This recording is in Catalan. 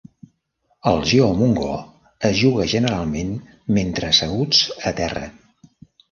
El "geomungo" es juga generalment mentre asseguts a terra.